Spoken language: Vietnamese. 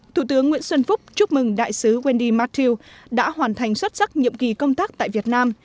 thủ tướng nguyễn xuân phúc chúc mừng đại sứ wendy matthew đã hoàn thành xuất sắc nhiệm kỳ công tác tại việt nam